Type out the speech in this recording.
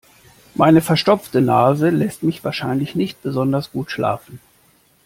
Meine verstopfte Nase lässt mich wahrscheinlich nicht besonders gut schlafen.